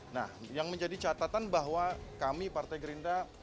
nah yang menjadi catatan bahwa kami partai gerindra